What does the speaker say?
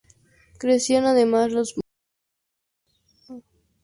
Crecían además los motines entre las tropas enviadas a Sichuan.